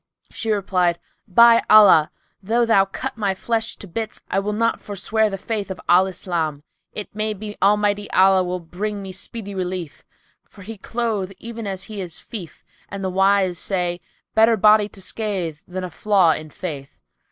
She replied, "By Allah, though thou cut my flesh to bits I will not forswear the faith of Al Islam! It may be Almighty Allah will bring me speedy relief, for He cloth even as He is fief, and the wise say: 'Better body to scathe than a flaw in faith.'"